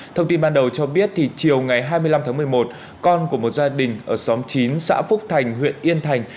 thông tin ban đầu cho biết chiều ngày hai mươi năm tháng một mươi một con của một gia đình ở xóm chín xã phúc thành huyện yên thành